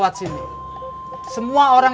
ya udah aku mau pulang